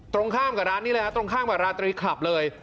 ตรงข้ามกับร้านนี้เลยฮะตรงข้างแบบราตรีคลับเลย